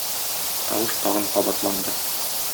Тавыш тагын кабатланды.